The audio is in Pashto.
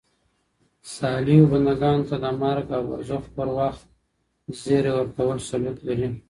صالحو بندګانو ته د مرګ او برزخ پر وخت زيری ورکول، ثبوت لري